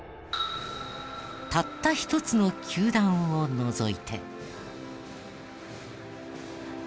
たった一つの球団を除いて。